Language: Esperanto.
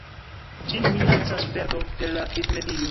Ĝin minacas perdo de la vivmedio.